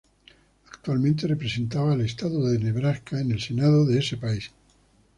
Actualmente representada al estado de Nebraska en el Senado de ese país.